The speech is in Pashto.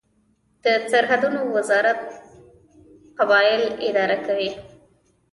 د سرحدونو وزارت قبایل اداره کوي